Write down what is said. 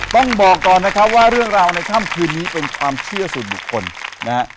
ต้องบอกก่อนนะครับว่าเรื่องราวในค่ำคืนนี้เป็นความเชื่อส่วนบุคคลนะฮะ